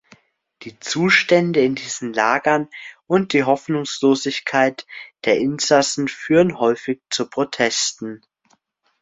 Die Zustände in diesen Lagern und die Hoffnungslosigkeit der Insassen führen häufig zu Protesten.